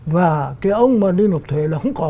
và cái ông mà đi nộp thuế là không có